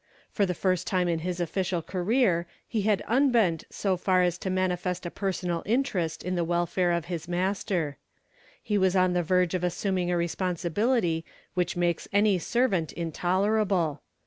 For the first time in his official career he had unbent so far as to manifest a personal interest in the welfare of his master. He was on the verge of assuming a responsibility which makes any servant intolerable.